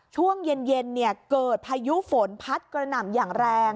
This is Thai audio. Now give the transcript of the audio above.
ช่วงเย็นเกิดพายุฝนพัดกระหน่ำอย่างแรง